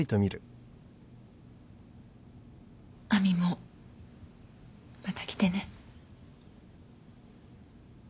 亜美もまた来てね。